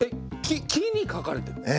木に書かれているの？